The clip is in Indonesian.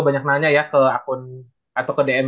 banyak nanya ya ke akun atau ke dm